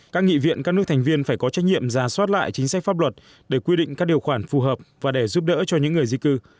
các nghị viện các nước thành viên phải có trách nhiệm ra soát lại chính sách pháp luật để quy định các điều khoản phù hợp và để giúp đỡ cho những người di cư